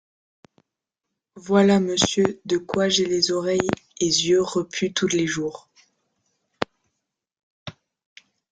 Voila, Monsieur, de quoy j’ay les oreilles et yeux repus tous les jours.